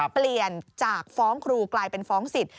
เปลี่ยนจากฟ้องครูกลายเป็นฟ้องสิทธิ